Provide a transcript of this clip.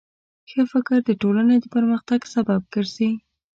ښه فکر د ټولنې د پرمختګ سبب ګرځي.